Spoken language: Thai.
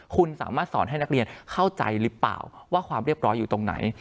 คุณสามารถสอนให้นักเรียนเข้าใจหรือเปล่าว่าความเรียบร้อยอยู่ตรงไหน